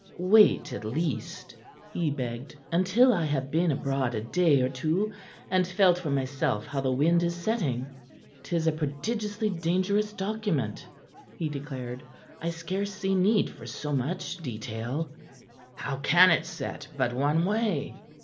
"Wait, at least," he begged, "until I have been abroad a day or two, and felt for myself how the wind Is setting." "'Tis a prodigiously dangerous document," he declared. "I scarce see the need for so much detail." "How can it set but one way?"